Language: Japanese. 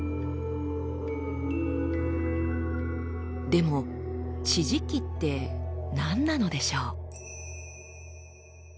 でも地磁気って何なのでしょう？